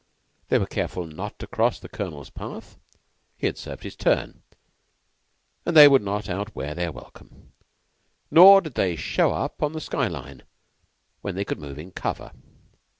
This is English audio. They were careful not to cross the Colonel's path he had served his turn, and they would not out wear their welcome nor did they show up on the sky line when they could move in cover.